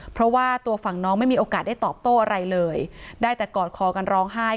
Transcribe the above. เพราะว่าตัวฝั่งน้องไม่มีโอกาสได้ตอบโต้อะไรเลยได้แต่กอดคอกันร้องไห้